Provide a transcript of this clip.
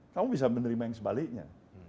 kamu bisa menerima yang sebaliknya